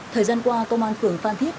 thời gian qua công an phường phan thiết